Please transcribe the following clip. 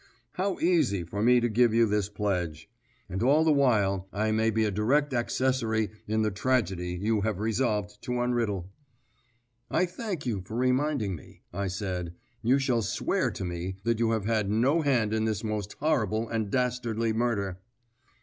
How easy for me to give you this pledge! And all the while I may be a direct accessory in the tragedy you have resolved to unriddle." "I thank you for reminding me," I said. "You shall swear to me that you have had no hand in this most horrible and dastardly murder."